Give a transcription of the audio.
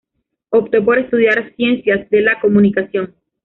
Optó por estudiar ciencias de la comunicación.